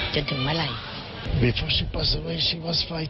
จนถึงเมื่อไหร่